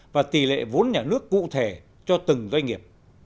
và tỷ lệ vốn nhà nước cụ thể